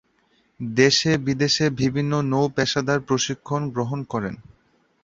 দেশে-বিদেশে বিভিন্ন নৌ-পেশাদার প্রশিক্ষণ গ্রহণ করেন।